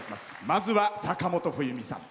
まずは坂本冬美さん。